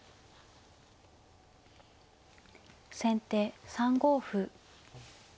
先手３五歩。